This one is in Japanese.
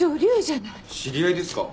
知り合いですか？